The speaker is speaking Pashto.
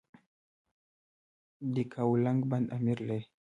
د یکاولنګ بند امیر لري